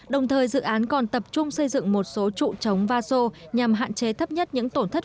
đồng thời dự án còn tập trung xây dựng một số trụ trống va sô nhằm hạn chế thấp nhất những tổn thất